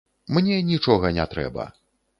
Мне нічога не трэба.